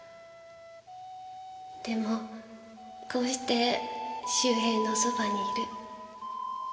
でもこうして周平のそばにいる。